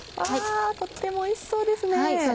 とってもおいしそうですね！